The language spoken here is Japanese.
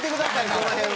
その辺は。